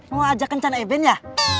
mau ajak kencan eben ya